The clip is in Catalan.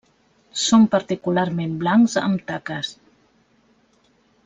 Són particularment blancs amb taques.